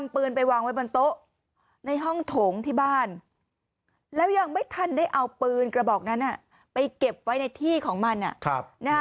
พอปืนกระบอกนั้นไปเก็บไว้ในที่ของมัน